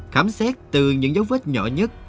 khám xét từ những dấu vết nhỏ nhất